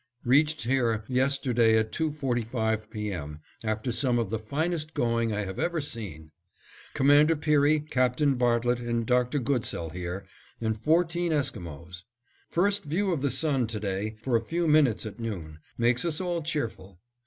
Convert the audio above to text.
Reached here yesterday at two forty five P. M., after some of the finest going I have ever seen. Commander Peary, Captain Bartlett, and Dr. Goodsell here, and fourteen Esquimos. First view of the sun to day, for a few minutes at noon, makes us all cheerful.